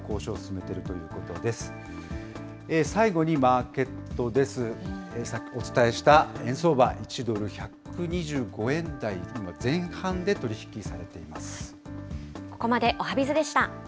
けさお伝えした円相場、１ドル１２５円台、今、前半で取り引きされています。